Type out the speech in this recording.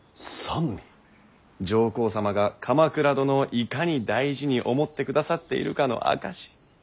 上皇様が鎌倉殿をいかに大事に思ってくださっているかの証し。